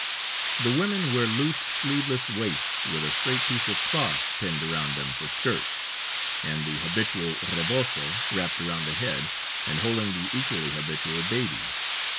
The women wear loose sleeveless waists with a straight piece of cloth pinned around them for skirts, and the habitual rebozo wrapped about the head and holding the equally habitual baby.